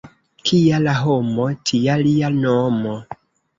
Kia la homo, tia lia nomo.